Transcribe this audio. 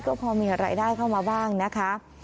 ก็พอมีรายได้เข้ามาบ้างนะคะ